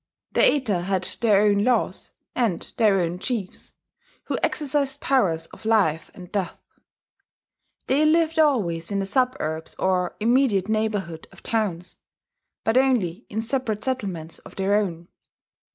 The Eta had their own laws, and their own chiefs, who exercised powers of life and death. They lived always in the suburbs or immediate neighbourhood of towns, but only in separate settlements of their own.